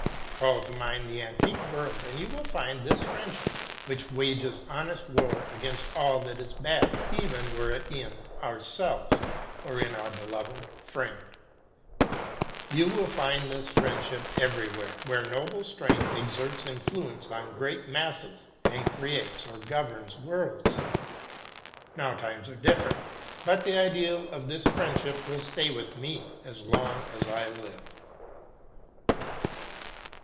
Call to mind the antique world and you will find this friendship, which wages honest war against all that is bad, even were it in ourselves or in the beloved friend you will find this friendship everywhere, where noble strength exerts influence on great masses, and creates or governs worlds. Now times are different; but the ideal of this friendship will stay with me as long as I live.